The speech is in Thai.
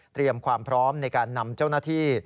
ความพร้อมในการนำเจ้าหน้าที่